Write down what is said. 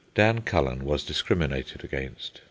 Dan Cullen was discriminated against.